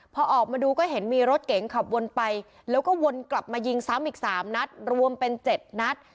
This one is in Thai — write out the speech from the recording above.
พอออกมาดูก็เห็นมีรถเก๋งขับวนไปแล้วก็วนกลับมายิงซ้ำอีก๓นัดรวมเป็น๗นัด